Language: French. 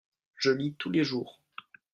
je lis tous les jours.